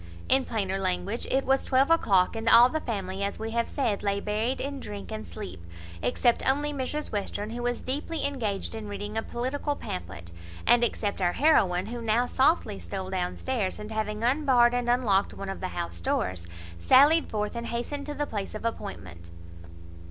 In plainer language, it was twelve o'clock, and all the family, as we have said, lay buried in drink and sleep, except only Mrs Western, who was deeply engaged in reading a political pamphlet, and except our heroine, who now softly stole down stairs, and, having unbarred and unlocked one of the house doors, sallied forth, and hastened to the place of appointment.